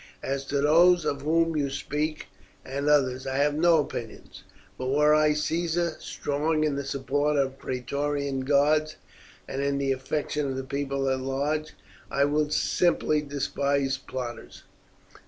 As to those of whom you speak, and others, I have no opinions; but were I Caesar, strong in the support of the Praetorian guards, and in the affection of the people at large, I would simply despise plotters.